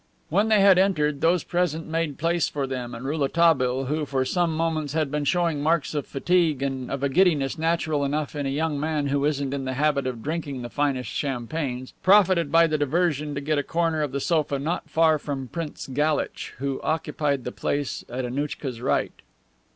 When they had entered, those present made place for them, and Rouletabille, who for some moments had been showing marks of fatigue and of a giddiness natural enough in a young man who isn't in the habit of drinking the finest champagnes, profited by the diversion to get a corner of the sofa not far from Prince Galitch, who occupied the place at Annouchka's right.